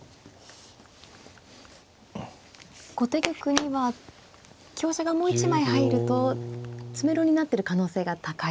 後手玉には香車がもう一枚入ると詰めろになってる可能性が高い。